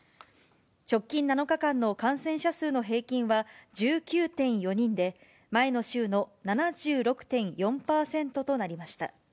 直近７日間の感染者数の平均は１９．４人で、前の週の７６．４％となりました。